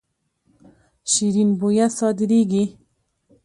شیرین بویه صادریږي.